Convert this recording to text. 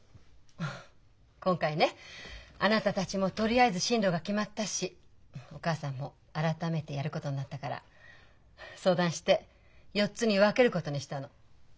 今回ねあなたたちもとりあえず進路が決まったしお母さんも改めてやることになったから相談して４つに分けることにしたの。